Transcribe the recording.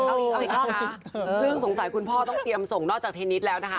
ซึ่งสงสัยคุณพ่อต้องเตรียมส่งนอกจากเทนนิตส์ล้าค่ะ